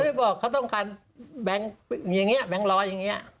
บอกเขาต้องการแบงค์อย่างนี้แบงค์ร้อยอย่างนี้